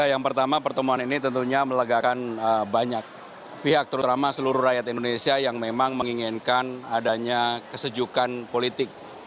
yang pertama pertemuan ini tentunya melegakan banyak pihak terutama seluruh rakyat indonesia yang memang menginginkan adanya kesejukan politik